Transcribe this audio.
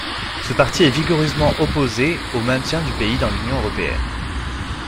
Ce parti est vigoureusement opposé au maintien du pays dans l'Union européenne.